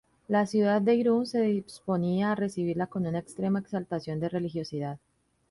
La ciudad de Irún se disponía a recibirla con una extrema exaltación de religiosidad.